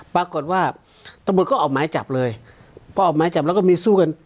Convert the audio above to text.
ปรากฏว่าตรงบนก็ออกไม้จับเลยก็ออกไม้จับแล้วก็มีสู้กัน